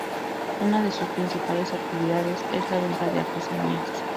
Una de sus principales actividades es la venta de artesanías.